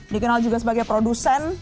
dikenal juga sebagai produsen